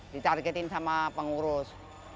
ditargetin sama pengurus